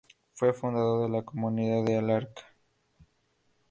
Fue fundador de la Comunidad del Arca.